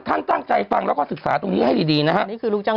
ตั้งใจฟังแล้วก็ศึกษาตรงนี้ให้ดีดีนะฮะนี่คือลูกจ้าง